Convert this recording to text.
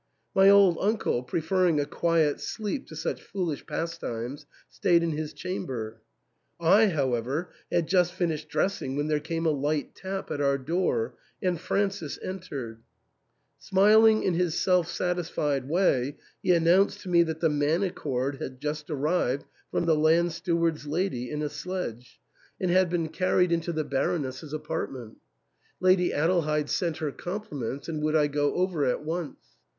My old uncle, preferring a quiet sleep to such foolish pastimes, stayed in his chamber. I, however, had just finished dressing when there came a light tap at our door, and Francis entered. Smiling in his self satisfied way, he announced to me that the manichord had just arrived from the land steward's lady in a sledge, and had been carried into 344 ^^^ ENTAIL. the Baroness's apartments. Lady Adelheid sent her compliments and would I go over at once.